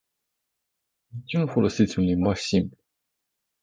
De ce nu folosiți un limbaj simplu?